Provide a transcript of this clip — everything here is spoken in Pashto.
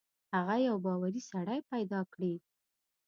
هغه یو باوري سړی پیدا کړي.